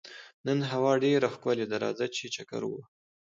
نن هوا ډېره ښکلې ده، راځه چې چکر ووهو.